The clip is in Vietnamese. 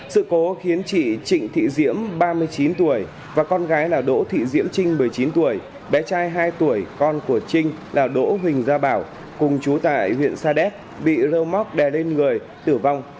sự cố khiến chị trịnh thị diễm ba mươi chín tuổi và con gái là đỗ thị diễm trinh một mươi chín tuổi bé trai hai tuổi con của trinh là đỗ huỳnh gia bảo cùng chú tại huyện sa đéc bị rơ móc đè lên người tử vong